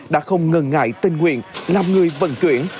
đã không ngần ngại tình nguyện làm người vận chuyển